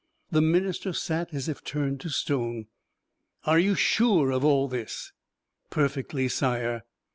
The Minister sat as if turned to stone. "Are you sure of all this?" "Perfectly, Sire."